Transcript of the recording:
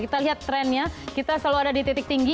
kita lihat trennya kita selalu ada di titik tinggi